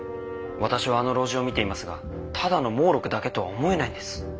私はあの老人を診ていますがただの耄碌だけとは思えないんです。